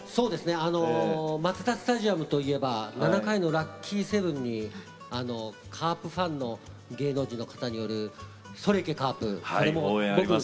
マツダスタジアムといえば７回の裏ラッキーセブンにカープファンの芸能人の方による「それ行けカープ」応援歌流れますよね。